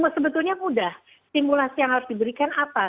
sebetulnya mudah simulasi yang harus diberikan apa